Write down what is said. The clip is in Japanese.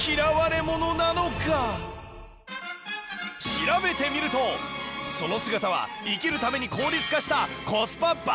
調べてみるとその姿は生きるために効率化した